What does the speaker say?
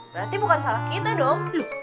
berarti bukan salah kita dong